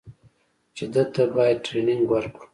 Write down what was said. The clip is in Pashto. چې ده ته بايد ټرېننگ ورکړو.